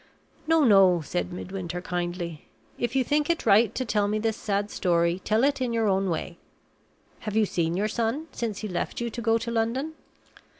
"No, no," said Midwinter, kindly. "If you think it right to tell me this sad story, tell it in your own way. Have you seen your son since he left you to go to London?"